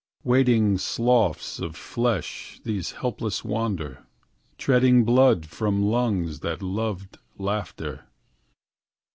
Wading sloughs of flesh these helpless wander, Treading blood from lungs that had loved laughter.